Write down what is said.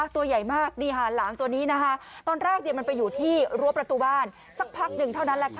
ตัวใหญ่มากตัวใหญ่มากตอนแรกเป็นดูข้างล่างเท่านั้น